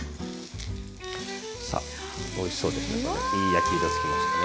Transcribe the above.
さあおいしそうですね。